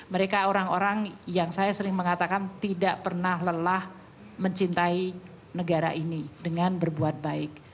mereka orang orang yang saya sering mengatakan tidak pernah lelah mencintai negara ini dengan berbuat baik